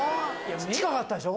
近かったでしょ？